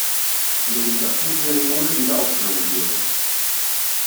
Legislaturperiode wieder aufgenommen wurde.